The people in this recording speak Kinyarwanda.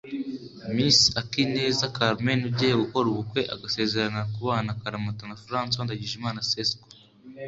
Miss Akineza Carmen ugiye gukora ubukwe agasezerana kubana akaramata na Francois Ndagijimana Cesco